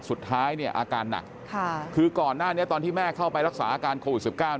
สุดท้ายเนี่ยอาการหนักคือก่อนหน้านี้ตอนที่แม่เข้าไปรักษาอาการโควิด๑๙